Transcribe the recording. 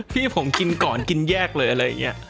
พี่ผมกินก่อนกินเยอะ